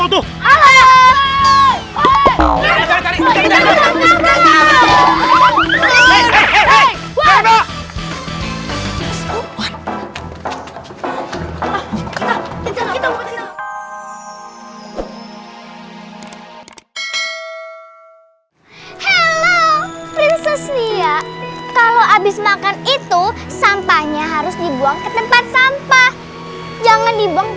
halo prinses nia kalau habis makan itu sampahnya harus dibuang ke tempat sampah jangan dibuang